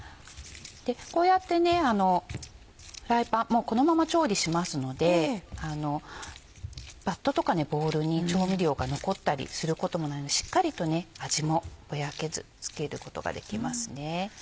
こうやってフライパンもうこのまま調理しますのでバットとかボウルに調味料が残ったりすることもないのでしっかりと味もぼやけず付けることができます。